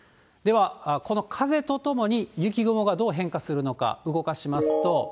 では、この風とともに雪雲がどう変化するのか、動かしますと。